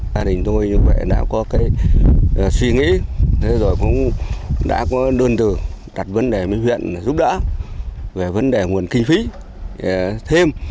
gia đình tôi như vậy đã có suy nghĩ đã có đơn tử đặt vấn đề với huyện giúp đỡ về vấn đề nguồn kinh phí thêm